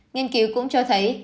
nghiên cứu cũng cho thấy